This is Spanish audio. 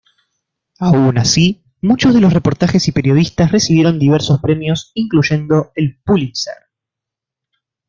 Aun así muchos de los reportajes y periodistas recibieron diversos premios, incluyendo el Pulitzer.